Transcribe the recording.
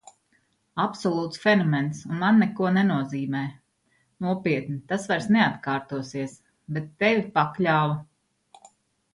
Absolūts fenomens un man neko nenozīmē, nopietni, tas vairs neatkārtosies.... bet tevi pakļāva!